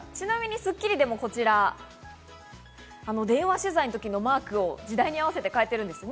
『スッキリ』でも、こちら、電話取材のときのマークを時代に合わせて変えています。